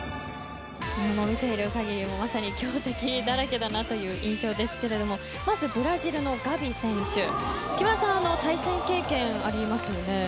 見ている限りまさに強敵だらけだなという印象ですけどもまずブラジルのガビ選手木村さん対戦経験ありますよね。